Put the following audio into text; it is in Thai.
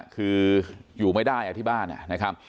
คืออยู่ไม่ได้ที่บ้านนะครับ